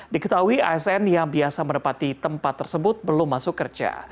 diketahui asn yang biasa menepati tempat tersebut belum masuk kerja